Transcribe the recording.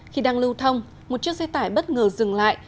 khi đang lưu thông một chiếc xe tải bất ngờ dừng lại